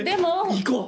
行こう！